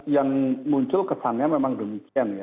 yang muncul kesannya memang demikian ya